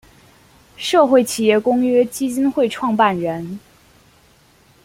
社会企业公约基金会创办人。